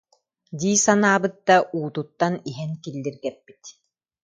дии санаабыт да, уутуттан иһэн киллиргэппит